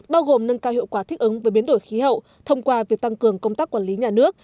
bao gồm nâng cao hiệu quả thích ứng với biến đổi khí hậu thông qua việc tăng cường công tác quản lý nhà nước